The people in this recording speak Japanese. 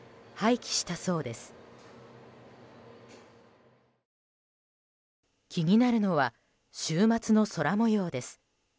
気になるのは週末の空模様です。